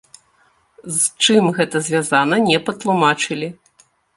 З чым гэта звязана не патлумачылі.